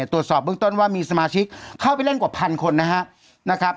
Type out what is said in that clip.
ตรวจสอบเบื้องต้นว่ามีสมาชิกเข้าไปเล่นกว่าพันคนนะครับ